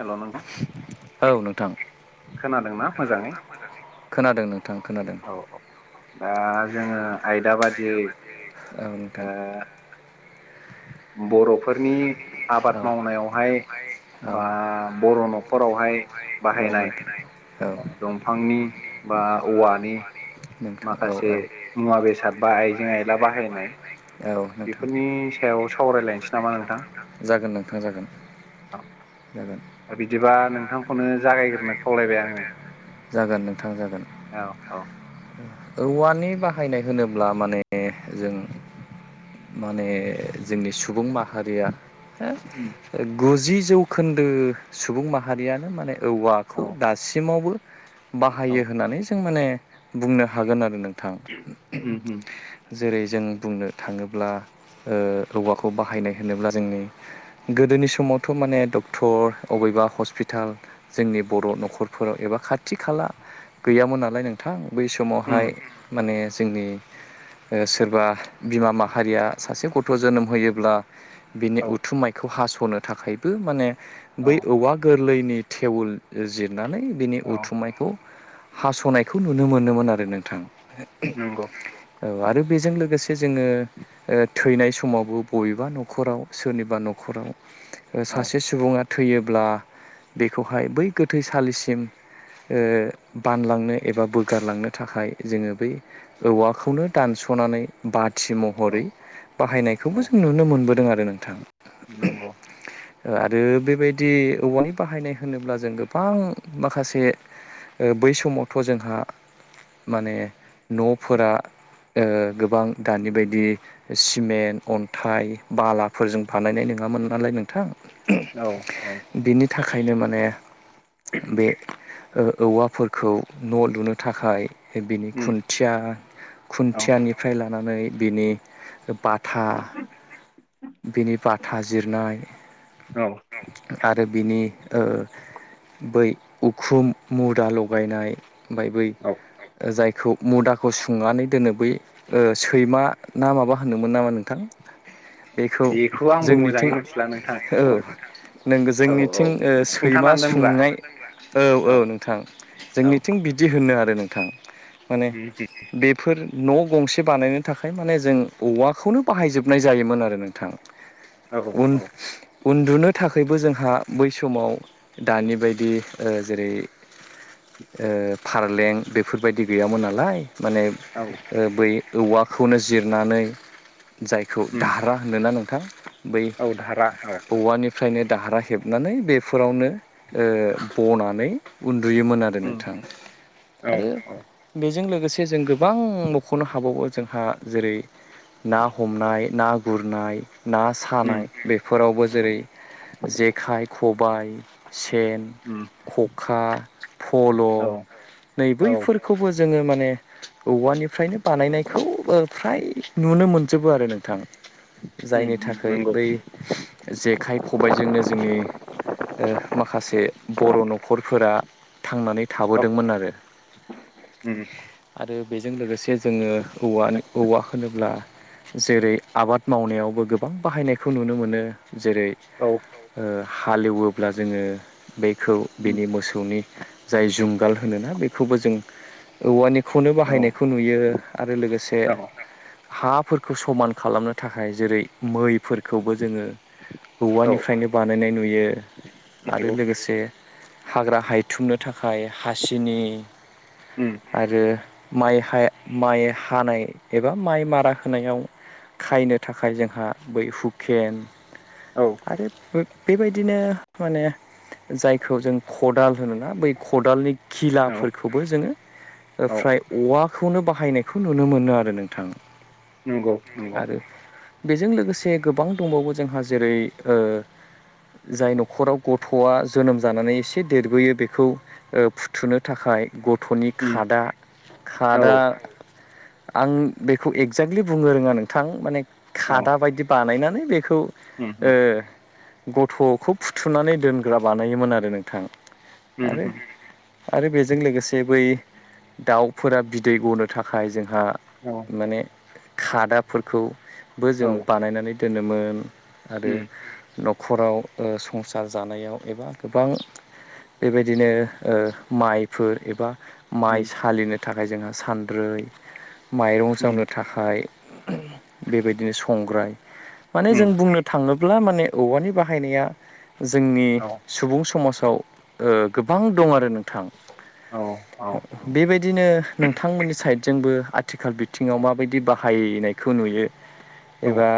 हेल' नोंथां औ नोंथां खोनादोंना मोजाङै खोनादों नोंथां खोनादों। औ औ दा जोङो आयदा बादि औ नोंथां बर'फोरनि आबाद मावनायावहाय बा बर' न'खरावहाय बाहायनाय दंफांनि बा औवानि माखासे मुवा बेसाद बा आइजें आयला बाहायनाय औ नोंथां। सायाव सावरायलायनोसै नामा नोंथां औ। जागोन बिदिबा नोंथांखौनो जागायगोन होननानै खावलायबाय जागोन नोंथां जागोन। औ-औ। औवानि बाहायनाय होनोब्ला माने जों माने जोंनि सुबुं माहारिया ओ ओम गुजि जौखोन्दो सुबुं माहारियानो माने औवाखौ दासिमावबो बाहायो होननानै जों माने बुंनो हागोन आरो नोंथां उम उम [unintelligible] जेरै जों बुंनो थाङोब्ला ओ‌ औवाखौ बाहायनाय होनोब्ला जोंनि गोदोनि समावथ' माने डक्टर अबेबा हस्पिटाल। जोंनि बर' न'खरफोराव एबा खाथि खाला गैयामोन नालाय नों थां बै समावहाय माने जोंनि सोरबा बिमा माहारिया सासे गथ' जोनोम होयोब्ला। बिनि उथुमाइखौ हास'नो थाखायबो माने बै औवा गो रलैनि थेवल जिरनानै बिनि उथुमनायखौ हासनाय खौ नुनो मोनोमोन आरो नोंथां औ आरो बेजों लोगोसे। जोङो ओ थैनाय समावबो बबेबा न'खराव सोरनिबा न'खराव। ओ सासे सुबुङा थैयोब्ला बेखौहाय बै गोथैसालिसिम ओ बानलांनो एबा बोगारलांनो थाखाय जोङो बै औवाखौनो दानस'नानै। बाथि महरै बाहायनायखौबो जों नुनो मोनबोदों आरो नोंथां। नंगौ। ओ आरो बेबायदि औवानि बाहायनाय होनोब्ला जों गोबां माखासे बै समावथ' जोंहा माने न'फोरा। ओ गोबां दानि बायदि। सिमेन्ट-अन्थाइ बालाफोरजों बानायनाय नङामोन नालाय नोंथां। औ-औ। बिनि थाखायनो माने बे ओ-औवाफोरखौ न' लुनो थाखाय बिनि खुन्थिया खुन्थियानि फ्राय लानानै बिनि बाथा। बिनि बाथा जिरनाय। औ। आरो बिनि ओ बै उखुम मुदा लगायनाय। ओमफाय बै जायखौ मुदाखौ सुंनानै दोनो बै ओ सैमा ना माबा होनोमोन नामा नोंथां? बेखौ जोंनिथिं औ। नोंगो जोंनिथिं ओ सैमा सुंनाय औ-औ नोंथां जोंनिथिं बिदि होनो आरो नोंथां माने बेफोर न' गंसे बानायनो थाखाय माने जों औवाखौनो बाहायजोबनाय जायोमोन आरो नोंथां। [inaudible] उन उन्दुनो थाखायबो जोंहा बै समाव दानि बायदि ओ जेरै ओ फारलें बेफोरबायदि गैयामोन नालाय माने औ। ओ बै औवाखौनो जिरनानै जायखौ दारहा होनोना नोंथां? बै औवानि फ्रायनो दाहारा हेबनानै बेफोरावनो बनानै उन्दुयोमोन आरो नों नोथां आरो बेजों लोगोसे जों गोबां मख'नो हाबावो जोंहा जेरै ना हमनाय ना गुरनाय ना सानाय बे फोरावबो जेरै जेखाइ खबाइ सेन उम खखा फल' नै बैफोरखौबो जोङो माने औवानिफ्रायनो बानायनायखौ फ्राय नुनो मोनजोबो आरो नोंथां। जायनि थाखाय बै जेखाइ खबायजोंनो जोंनि ओ माखासे बर' न'खरफोरा थांनानै थाबोदोंमोन आरो। आरो बेजों लोगोसे जोङो औवा-औवा खोनोब्ला जेरै- आबाद मावनायावबो गोबां बाहायनायखौ नुनो मोनो जेरै औ। ओ हालेवोब्ला जोङो बेखौ बिनि मोसौनि जाय जुंगाल होनोना बेखौबो जों औवानिखौनो बाहायनायखौ नुयो आरो लोगोसे हाफोरखौ समान खालामनो थाखाय जेरै मैफोरखौबो जोङो औवानिफ्रायनो बानायनाय नुयो। आरो लोगोसे हाग्रा हायथुमनो थाखाय हासिनि आरो माइ हाय माइ हानाय एबा माइ मारा होनायाव खायनो थाखाय जोंहा बै हुकेन औ आरो बेबायदिनो माने जायखौ जों खदाल होनोना बै खदालनि खिलाफोरखौबो जोङो ओ फ्राय औवाखौनो बाहायनायखौ नुनो मोनो आरो नोंथां। नंगौ नंगौ बेजों लोगोसे गोबां दंबावो जोंहा जेरै जाय न'खराव गथ'आ जोनोम जानानै एसे देरबोयो बेखौ ओ फुथुनो थाखाय गथ'नि खादा खादा आं बेखौ एगजेक्टलि बुंनो रोङा नोंथां माने खादा बायदि बानायनानै बेखौ ओ गथ'खौ फुथुनानै दोनग्रा बानायोमोन आरो नोंथां। आरो आरो बेजों लोगोसे बै दाउफोरा बिदै गनो थाखाय जोंहा औ माने खादाफोरखौबो जों बानायनानै दोनोमोन। आरो न'खराव ओ संसार जानायाव एबा गोबां बेबायदिनो ओ माइफोर एबा माइ सालिनो थाखाय जोंहा सान्द्रै माइरं जावनो थाखाय बेबायदिनो संग्राय माने जों बुंनो थाङोब्ला माने औवानि बाहायनाया जोंनि सुबुं समाजाव ओ गोबां दं आरो नोंथां बेबायदिनो नोंथांमोननि साइद जोंबो आथिखाल बिथिङाव माबायदि बाहायनायखौ नुयो एबा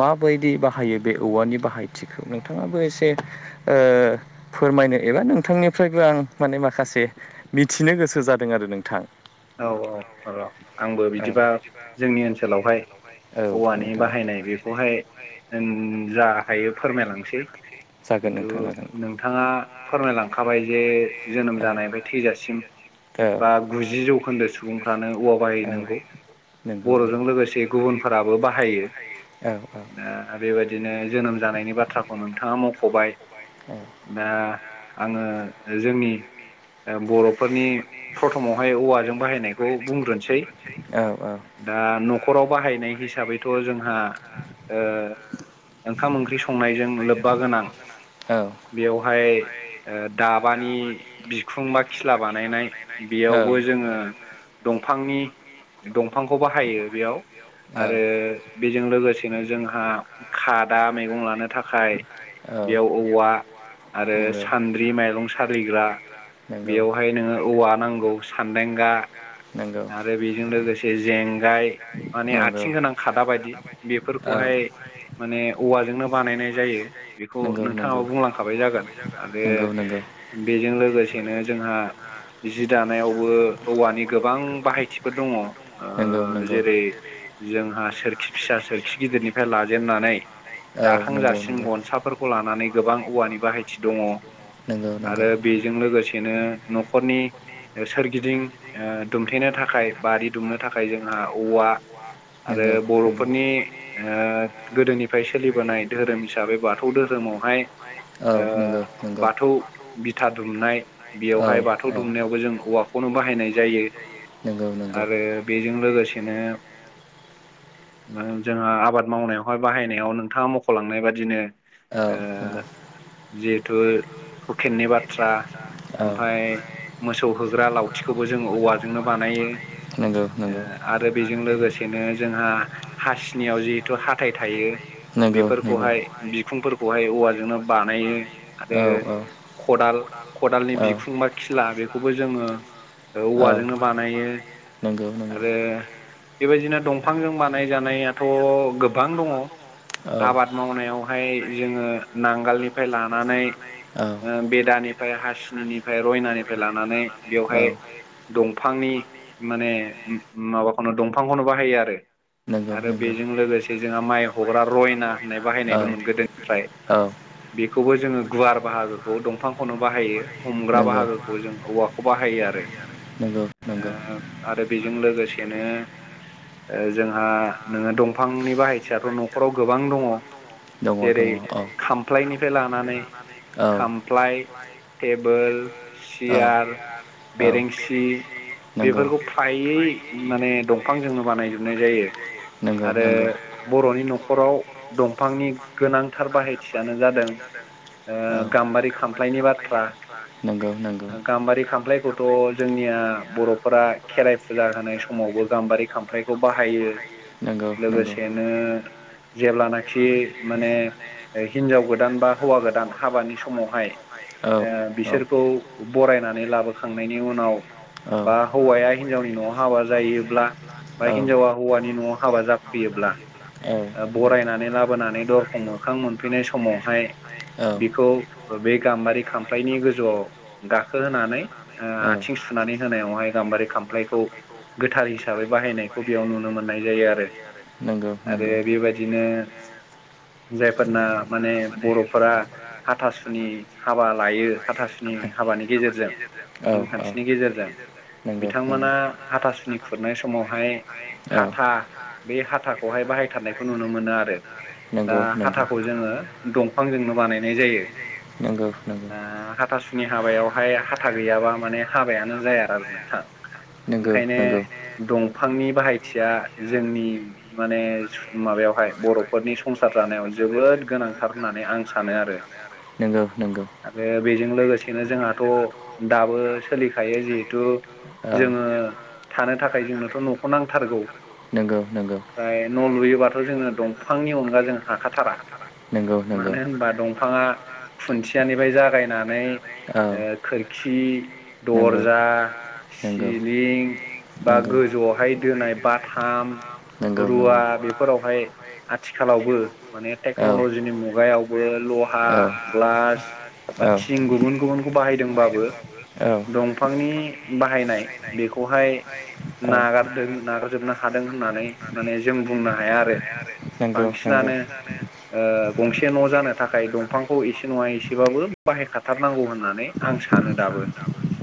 माबायदि बाहायो बे औवानि बाहायथिखौ नोंथाङाबो एसे ओ फोरमायनो एबा नोंथांनिफ्रायबो आं माने माखासे मिथिनो गोसो जादों आरो नोंथां औ औ र' आंबो बिदिबा जोंनि ओनसोलावहाय औवानि बाहायनाय बेखौहाय ओं जा हायो फोरमायलांसै खिन्थु नोंथाङा फोरमायलांखाबाय जे जोनोम जानायनिफ्राय थैजासिम बा गुजि जौ खोन्दो सुबुंफ्रानो औवा बाहायनांगौ नोंगौ औ बर'जों लोगोसे गुबुनफोराबो बाहायो औ औ बेबायदिनो जोनोम जानायनि बाथ्राखौ नोंथाङा मख'बाय दा आङो जोंनि ओ बर'फोरनि प्रथमावहाय औवाजों बाहायनाय खौ बुंग्रोनोसै। दा नखराव बाहायनाय हिसाबै थ' जोंहा ओ ओंखाम-ओंख्रि संनायजों लोब्बा गोनां बेवहाय ओ दाबानि बिखुं बा खिला बानायनाय बेयावबो जोङो दंफांनि दंफांखौ बाहायो बेयाव आरो बेजों लोगोसेनो जोंहा खादा मैगं लानो थाखाय बेयाव औवा आरो सान्द्रि माइरं साारलिग्रा ओइ बेयावहाय नोङो औवा नांगौ सान्देंगा आरो बेजों लोगोसे जेंगाय माने आथिं गोनां खादा बायदि बेफोरखौहाय माने औवाजोंनो बानायनाय जायो बेखौ नोंथाङाबो बुंलांखाबाय जागोन आरो बेजों लोगोसेनो जोंहा जि दानायावबो औवानि गोब बाहायथिफोर दङ जेरै- जोंहा सोरखि फिसा, सोरखि गिदिरनिफ्राय लाजेननानै दाखां जासिम गन साफोरखौ लानानै गोबां औवानि बाहायथि दङ आरो बेजों लोगोसेनो न'खरनि सोरगिदिं ओ दुमथेनो थाखाय बारि दुमनो थाखाय जोंहा औवा आरो बर'फोरनि ओ गोदोनिफ्राय सोलिबोनाय धोरोम हिसाबै बाथौ धोरोमावहाय ओ बाथौ बिथा दुमनाय बेयावहाय बाथौ दुमनायावबो जों औवा खौनो बाहायनाय जायो आरो बेजों लोगोसेनो जोंहा आबाद मावनायावहाय बाहायनायाव नोंथाङा मख'लांनाय बादिनो औ नंगौ। जिहेथु हुकेननि बाथ्रा ओमफ्राय मोसौ होग्रा लावथिखौबो जों औवाजोंनो बानायो। ओ आरो बेजों लोगोसेनो जोंहा हासिनियाव जिहेथु हाथाय थायो नोंगौ नोंगौ। बिखुंफोरखौहाय औवाजोंनो बानायो आरो खदाल, खदालनि बिखुं बा खिला बेखौबो जोङो औवाजोंनो बानायो आरो बेबायदिनो दंफांजों बानाय जानायाथ' गोबां दङ आबाद मावनायाव हाय जोङो नांगालनिफ्राय लानानै ओ बेदनिफ्राय हासिनि फ्राय, रयनानिफ्राय लानानै बेवहाय दंफांनि माने माबाखौनो दंफांखौनो बाहायो आरो। आरो बेजों लोगोसे जोंहा माइ हग्रा रयना होननाय बाहायनाय दंमोन गोदोनिफ्राय बेखौबो जोङो गुवार बाहागोखौ दंफांखौनो बाहायो हमग्रा बाहागोखौ जों औवाखौ बाहायो आरो ओ आरो बेजों लोगोसेनो ओ जोंहा नोङो दंफांनि बाहाय मानसियाथ' न'खराव गोबां दङ जेरै खामफ्लायनिफ्राय लानानै खामफ्लाय टेबोल, चियार, बेरेंसि बेफोरखौ फ्रायै माने दंफांजोंनो बानायजोबनाय जायो आरो बर'नि न'खराव दंफांनि गोनांथार बाहायथियानो जादों ओ गाम्बारि खामफ्लायनि बाथ्रा। गाम्बारि खामफ्लायखौथ' जोंनिया बर'फोरा खेराइ फुजा होनाय समावबो गाम्बारि खामख्राइखौ बाहायो। लोगोसेनो जेब्लानाखि माने ओ हिनजाव गोदान बा हौवा गोदान हाबानि समावहाय, ओ बिसोरखौ बरायनानै लाबोखांनायनि उनाव बा हौवाया हिनजावनि न'आव हाबा जायोब्ला बा हिनजावा हौवानि न'आव हाबा जाब [inaudible] ओ [inaudible] बिखौ बे गाम्बारि खामफाइनि गोजौआव गाखोहोनानै ओ आथिं सुनानै होनायावहाय गाम्बारि खामफ्लायखौ गोथार हिसाबै बाहायनायखौ बेयाव नुनो मोननाय जायो आरो आरो बेबायदिनो जायफोरना माने बर'फोरा हाथासुनि हाबा लायो हाथासु नि हाबानि गेजेरजों नेमखान्थिनि गेजेरजों बिथांमोना हाथासुनि खुरनाय समावहाय हाथा बे हाथा खौहाय बाहायथारनायखौ नुनो मोनो आरो दा हाथाखौ जोङो दंफांजोंनो बानायनाय जायो नोंगौ नों हाथासुनि हाबायावहाय हाथा गैयाबा माने हाबायानो जाया नोंथां ओंखायनो दंफांनि बाहायथिया जोंनि माने माबायावहाय बर'फोरनि संसार जानायाव जोबोद गोनांथार होननानै आं सानो आरो आरो बेजों लोगोसेनो जोंहाथ' दाबो सोलिखायो जि थु जोङो थानो थाखाय जोंनोथ' न'खौ नांथारगौ ओमफ्राय न' लुयोबाथ' जोंनो दं फांनि अनगा जों हाखाथारा मानो होनबा दंफाङा खुनथि थियानिफ्राय जागायनानै ओ खोरखि दरजा सिलिं, बा गोजौआवहाय दोनाय बाथाम, रुवा, बेफोरावहाय आथिखालावबो माने टेक्न'लजिनि मुगायावबो लहा ग्लास, बा थिं, गुबुन गुबुनखौ बाहायदोंबाबो, दंफांनि बाहायनाय, बेखौहाय नागारदों नागारजोबनो हादों होननानै माने जों बुंनो हाया आरो बांसिनानो ओ गंसे न' जानो थाखाय दंफांखौ एसे नङा एसेबाबो बाहायखाथारनांगौ होनना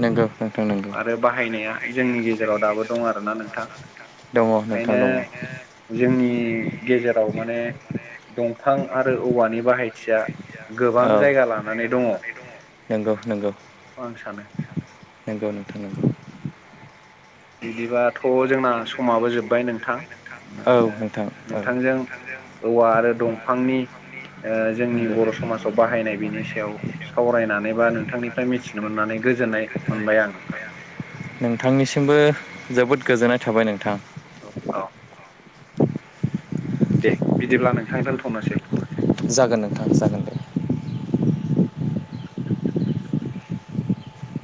[inaudible] नोंगौ नोंगौ आरो बाहायनाया जोंनि गेजेराव दाबो दं आरोना नोंथां दङ नोंथां दङ जोंनि गेजेराव माने दंफां आरो औवानि बाहायथिया गोबां जायगा लानानै दङ आं सानो नोंगौ नोंथां नांगौ बिदिबाथ' जोंना समाबो जोब्बाय नोंथां ओ नोंथांजों औवा आरो दंफांनि ओ जोंनि बर' समाज बाहायनाय बेनि सायाव सावरायनानै बा नोंथांनिफ्राय मिथिनो मोननानै गोजोननाय मोनबाय आं नोंथां नोंथांनिसिमबो जोबोद गोजोननाय थाबाय नोंथां औ औ दे बिदिब्ला नोंथां दोनथ'नोसै जागोन नोंथां जागोन दे